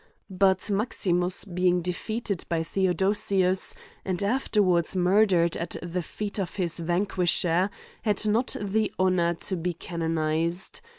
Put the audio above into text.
But Maximus being de feated by Theodosius, and afterwards murdered at the feet of his vanquisher, had not the honor to be canonized.